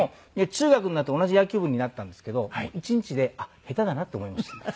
中学になって同じ野球部になったんですけど１日であっ下手だなって思いました。